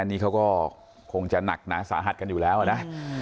อันนี้เขาก็คงจะหนักหนาสาหัสกันอยู่แล้วนะ